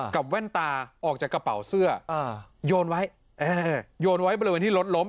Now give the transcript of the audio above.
แว่นตาออกจากกระเป๋าเสื้อโยนไว้โยนไว้บริเวณที่รถล้ม